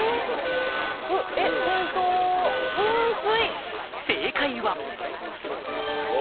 えうんと噴水！